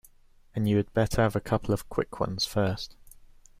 And you had better have a couple of quick ones first.